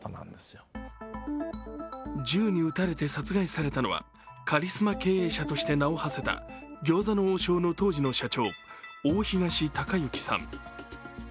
銃に撃たれて殺害されたのはカリスマ経営者として名をはせた餃子の王将の当時の社長、大東隆行さん。